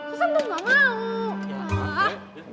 susan tuh gak mau